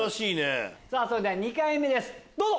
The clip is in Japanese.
それでは２回目ですどうぞ！